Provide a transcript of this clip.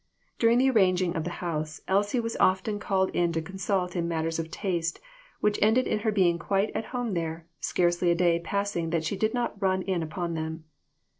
During the arranging of the house, Elsie was often called in to consult in mat ters of taste, which ended in her being quite at home there, scarcely a day passing that she did not run in upon them.